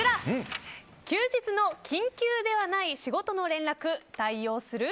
休日の緊急ではない仕事の連絡対応する？